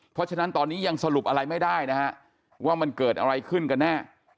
เพราะฉะนั้นตอนนี้ยังสรุปอะไรไม่ได้นะฮะว่ามันเกิดอะไรขึ้นกันแน่